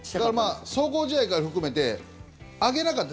壮行試合から含めて上げなかった。